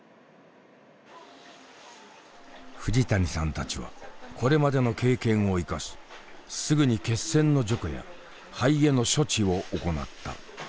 藤谷さんたちはこれまでの経験を生かしすぐに血栓の除去や肺への処置を行った。